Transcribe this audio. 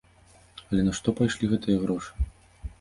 Але на што пайшлі гэтыя грошы?